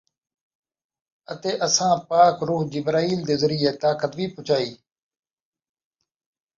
اَتے اَساں پاک روح جبریل دے ذریعے طاقت وی پُڄائی،